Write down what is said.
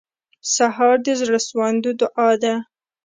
سهار د زړسواندو دعا ده.